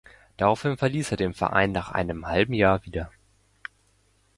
Daraufhin verließ er den Verein nach einem halben Jahr wieder.